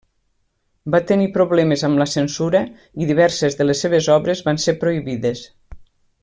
Va tenir problemes amb la censura i diverses de les seves obres van ser prohibides.